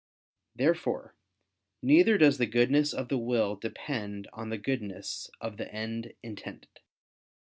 Therefore neither does the goodness of the will depend on the goodness of the end intended.